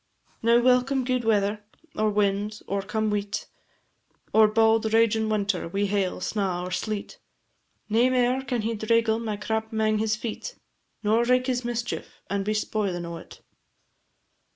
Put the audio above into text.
Now welcome gude weather, or wind, or come weet, Or bauld ragin' winter, wi' hail, snaw, or sleet, Nae mair can he draigle my crap 'mang his feet, Nor wraik his mischief, and be spoilin' o't.